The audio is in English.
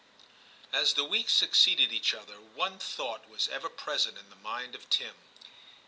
As the weeks succeeded each other, one thought was ever present in the mind of Tim.